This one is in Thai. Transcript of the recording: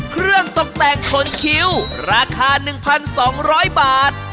เครื่องตกแต่งขนคิ้วราคา๑๒๐๐บาท